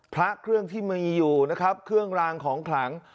พระเครื่องที่มีอยู่นะครับเครื่องรางของขลัง